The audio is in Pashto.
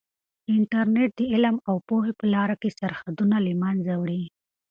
انټرنیټ د علم او پوهې په لاره کې سرحدونه له منځه وړي.